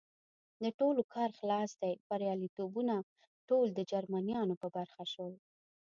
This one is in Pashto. د ټولو کار خلاص دی، بریالیتوبونه ټول د جرمنیانو په برخه شول.